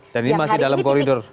dan ini masih dalam koridor